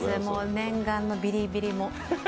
念願のビリビリも。